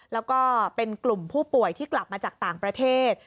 แล้วก็เป็นกลุ่มผู้ป่วยที่กลับมาจากต่างประเทศ